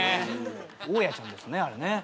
大家ちゃんですねあれね。